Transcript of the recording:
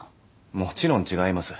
もちろん違います